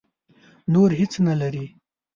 نور هېڅ نه لري.